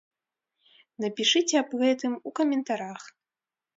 Напішыце аб гэтым у каментарах!